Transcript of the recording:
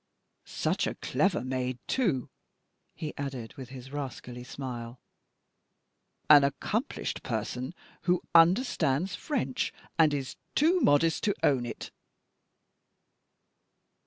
Such a clever maid, too," he added with his rascally smile. "An accomplished person, who understands French, and is too modest to own it!"